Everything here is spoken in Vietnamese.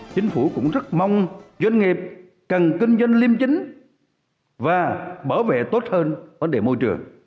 chính phủ cũng rất mong doanh nghiệp cần kinh doanh liêm chính và bảo vệ tốt hơn vấn đề môi trường